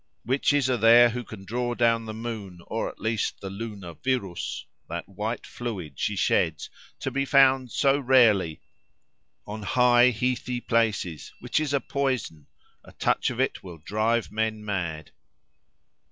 Witches are there who can draw down the moon, or at least the lunar virus—that white fluid she sheds, to be found, so rarely, "on high, heathy places: which is a poison. A touch of it will drive men mad."